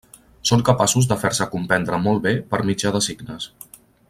Són capaços de fer-se comprendre molt bé per mitjà de signes.